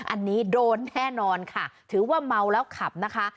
อันนี้โดนแน่นอนค่ะถือว่าเมาแล้วขับนะคะ